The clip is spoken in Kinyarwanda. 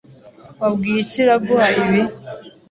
Wabwiye iki Iraguha ibi?